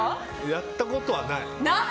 やったことはない。